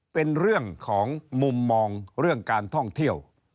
เป็นเรื่องของมุมมองเรื่องการท่องเที่ยว